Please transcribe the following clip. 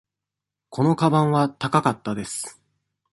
このかばんは高かったです。